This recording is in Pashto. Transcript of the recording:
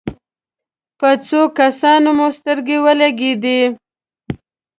په څو کسانو مو سترګې ولګېدې.